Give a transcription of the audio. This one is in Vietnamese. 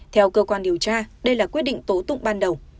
theo cơ quan điều tra đây là quyết định tố tụng ban đầu